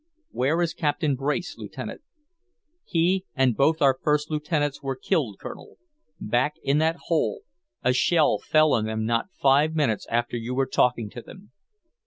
"Where is Captain Brace, Lieutenant?" "He and both our first lieutenants were killed, Colonel. Back in that hole. A shell fell on them not five minutes after you were talking to them."